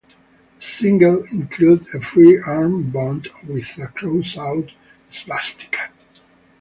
The single included a free armband with a crossed-out swastika.